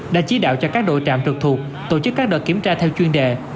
đã chỉ đạo cho các đội trạm trực thuộc tổ chức các đợt kiểm tra theo chuyên đề